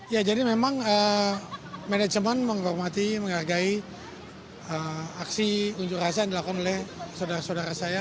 ya jadi memang manajemen menghormati menghargai aksi unjuk rasa yang dilakukan oleh saudara saudara saya